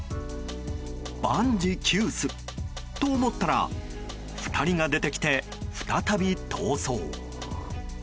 万事休すと思ったら２人が出てきて再び逃走。